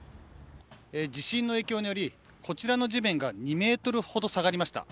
地震の影響によりこちらの地面が２ｍほど下がりました。